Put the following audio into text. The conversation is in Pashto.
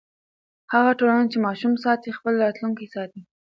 هغه ټولنه چې ماشوم ساتي، خپل راتلونکی ساتي.